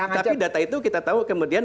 tapi data itu kita tahu kemudian